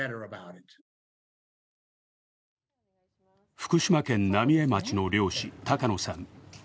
福島県浪江町の漁師、高野さん。